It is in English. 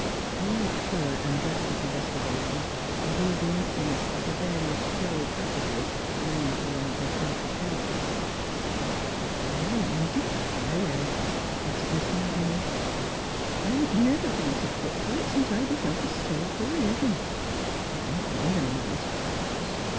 A like thorough and drastic investigation revealed the emptiness of the various showy packages ranged along her pantry shelves. "Well, I d'clare," muttered Miss Malvina> " I ain't never been s' put to it since I begun to sew f'r a livin'. I don't wonder Ma's fractious.